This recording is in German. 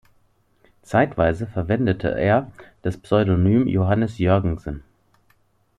Zeitweise verwendete er das Pseudonym "Johannes Jörgensen".